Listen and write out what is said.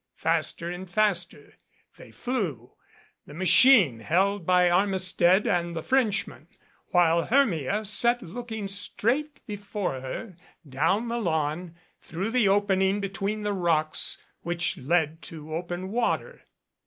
Faster and faster they flew, the machine held by Armistead and the Frenchman, while Hermia sat looking straight before her down the lawn through the opening between the rocks which led to open water.